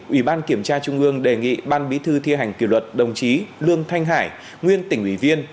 ủy ban kiểm tra trung ương đề nghị ban bí thư thi hành kỷ luật đồng chí lương thanh hải nguyên tỉnh ủy viên